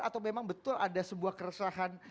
atau memang betul ada sebuah keresahan